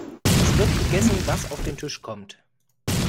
Es wird gegessen, was auf den Tisch kommt.